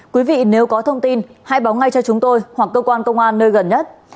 quý vị nếu có thông tin hãy báo ngay cho chúng tôi hoặc cơ quan công an nơi gần nhất